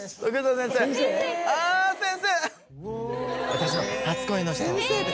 私の初恋の人。